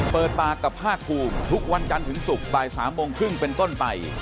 เปิดปากกับภาคภูมิทุกวันจันทร์ถึงศุกร์บ่าย๓โมงครึ่งเป็นต้นไป